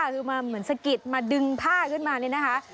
คือมาเหมือนสะกิดมาดึงผ้าขึ้นมานี่นะคะ